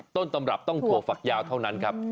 ต้นตำรับต้องถั่วฝักยาวเท่านั้นครับ